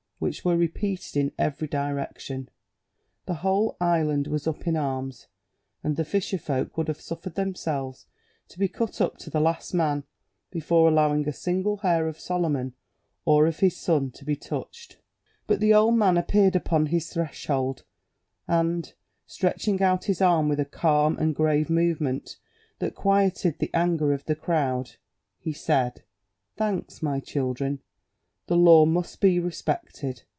which were repeated in every direction. The whole island was up in arms, and the fisher folk would have suffered themselves to be cut up to the last man before allowing a single hair of Solomon or of his son to be touched; but the old man appeared upon his threshold, and, stretching out his arm with a calm and grave movement that quieted the anger of the crowd, he said, "Thanks, my children; the law must be respected.